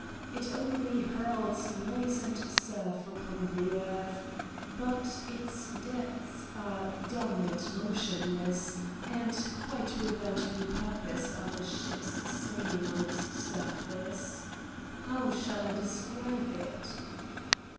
It only hurls noise and surf upon the earth, but its depths are dumb and motionless and quite without any purpose are the ships sail ing on its surface. How shall I describe it?